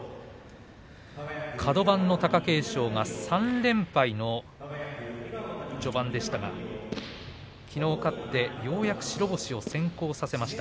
カド番の貴景勝が３連敗の序盤でしたがきのう勝って、ようやく白星を先行させました。